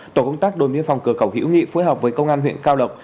tổ công tác đội miên phòng cửa khẩu hữu nghị phối hợp với công an huyện cao lộc